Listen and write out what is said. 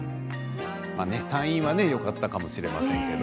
退院はよかったかもしれませんけれど。